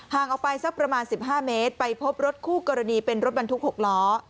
ออกไปสักประมาณ๑๕เมตรไปพบรถคู่กรณีเป็นรถบรรทุก๖ล้อ